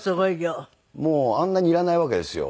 あんなにいらないわけですよ。